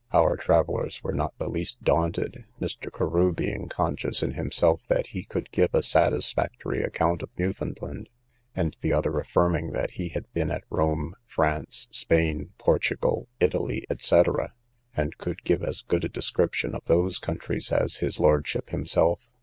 Our travellers were not the least daunted, Mr. Carew being conscious in himself that he could give a satisfactory account of Newfoundland, and the other affirming that he had been at Rome, France, Spain, Portugal, Italy, &c. and could give as good a description of those countries as his lordship himself.